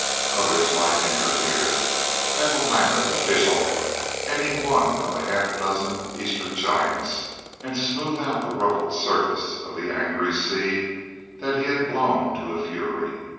Others might enter here—Haeckelheimer, Fishel, any one of a half dozen Eastern giants—and smooth out the ruffled surface of the angry sea that he had blown to fury.